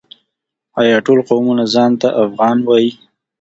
آیا ټول قومونه ځان ته افغان وايي؟